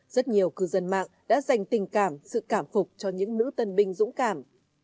rất nhiều cư dân mạng đã dành tình cảm sự cảm phục cho những nữ tân binh dũng cảm